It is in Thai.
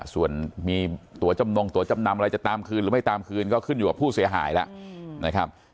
ส่วนมีตัวจำนงตัวจำนำอะไรจะตามคืนหรือไม่ตามคืนก็ขึ้นอยู่กับผู้เสียหายแล้วนะครับ